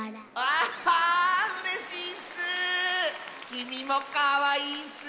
きみもかわいいッス！